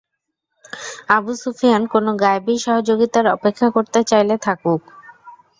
আবু সুফিয়ান কোন গায়েবী সহযোগিতার অপেক্ষা করতে চাইলে থাকুক।